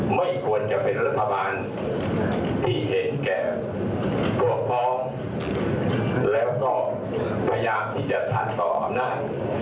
ไม่ควรจะเป็นรัฐบาลที่เห็นแก่พวกพ้องแล้วก็พยายามที่จะขัดต่ออำนาจ